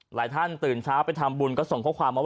หลายท่านตื่นเช้าไปทำบุญก็ส่งข้อความมาว่า